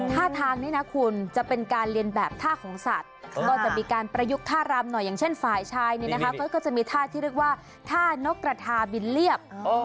ท่าทางนี้นะคุณจะเป็นการเรียนแบบท่าของสัตว์ก็จะมีการประยุกต์ท่ารำหน่อยอย่างเช่นฝ่ายชายเนี่ยนะคะเขาก็จะมีท่าที่เรียกว่าท่านกกระทาบินเรียบ